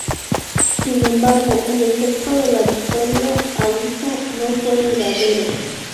Sin embargo, el efecto de la victoria hausa no fue duradero.